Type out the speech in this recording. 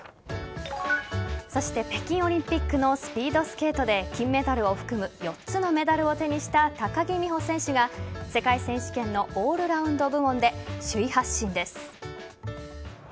そして北京オリンピックのスピードスケートで金メダルを含む４つのメダルを手にした高木美帆選手が世界選手権のオールラウンド部門で首位発進です。